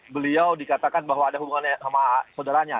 beliau dikatakan bahwa ada hubungannya sama saudaranya